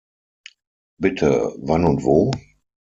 Bitte, wann und wo?